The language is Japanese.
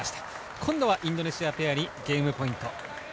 今度はインドネシアペアにゲームポイント。